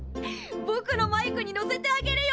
ぼくのバイクに乗せてあげるよ。